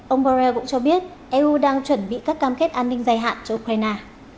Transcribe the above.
ông borrell cũng cho biết eu đang chuẩn bị các cam kết an ninh dài hạn cho ukraine